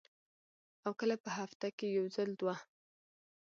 او کله پۀ هفته کښې یو ځل دوه ـ